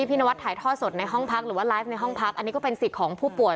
นวัดถ่ายท่อสดในห้องพักหรือว่าไลฟ์ในห้องพักอันนี้ก็เป็นสิทธิ์ของผู้ป่วย